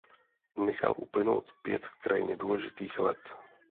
Nechal uplynout pět krajně důležitých let.